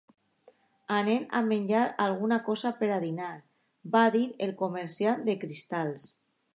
"Anem a menjar alguna cosa per dinar" va dir el comerciant de cristalls.